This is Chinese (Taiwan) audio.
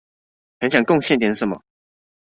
很想貢獻點什麼